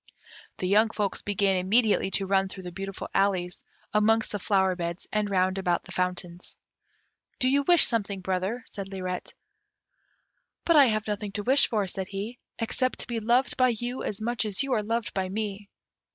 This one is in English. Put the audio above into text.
The young folks began immediately to run through the beautiful alleys, amongst the flower beds and round about the fountains. "Do you wish something, brother," said Lirette. "But I have nothing to wish for," said he; "except to be loved by you as much as you are loved by me."